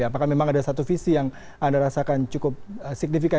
apakah memang ada satu visi yang anda rasakan cukup signifikan